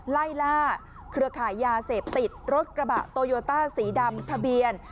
ไล่ล่าเครือขายยาเสพติดรถกระบะโตโยต้าสีดำทะเบียน